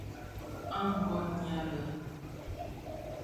A kôn nyali.